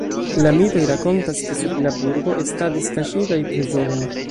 La mitoj rakontas, ke sub la burgo estadis kaŝitaj trezoroj.